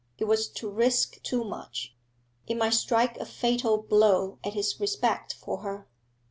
It was to risk too much; it might strike a fatal blow at his respect for her.